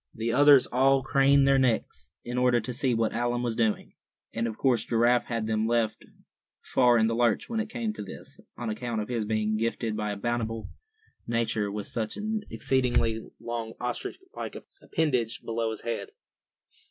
The others all craned their necks in order to see what Allan was doing; and of course Giraffe had them left far in the lurch when it came to this, on account of his being gifted by a bountiful Nature with such an exceedingly long ostrich like appendage below his head.